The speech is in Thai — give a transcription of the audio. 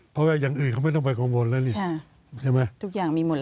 เพราะว่าอย่างอื่นเขาไม่ต้องไปกังวลแล้วนี่ใช่ไหมทุกอย่างมีหมดแล้ว